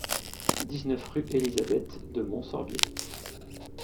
dix-neuf rue Elisabeth de Montsorbier